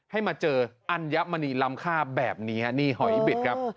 ให้มาเจออัญมณีลำค่าแบบนี้นี่หอยบิดครับ